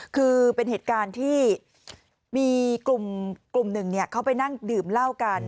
คือเป็นเหตุการณ์ที่มีกลุ่มหนึ่งเขาไปนั่งดื่มเหล้ากัน